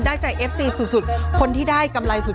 ได้ใจเอฟซีสุดคนที่ได้กำไรสุด